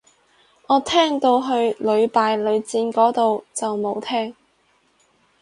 我聽到去屢敗屢戰個到就冇聽